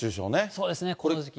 そうですね、この時期。